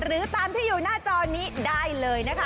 หรือตามที่อยู่หน้าจอนี้ได้เลยนะคะ